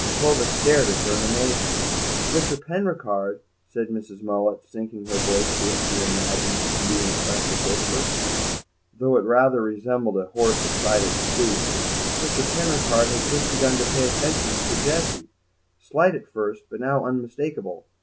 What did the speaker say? Clovis stared at her in amazement. "Mr. Penricarde," said Mrs. Mullet, sinking her voice to what she imagined to be an impressive whisper, though it rather resembled a hoarse, excited squeak, "Mr. Penricarde has just begun to pay attentions to Jessie. Slight at first, but now unmistakable.